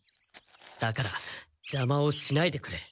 だからジャマをしないでくれ。